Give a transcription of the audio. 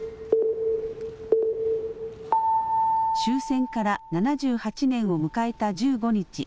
終戦から７８年を迎えた１５日。